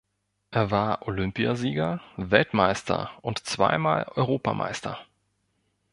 Er war Olympiasieger, Weltmeister und zweimal Europameister.